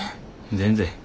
全然。